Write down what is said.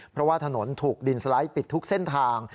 เพราะว่าถนนถูกดินสไลด์ปิดทุกเส้นทาง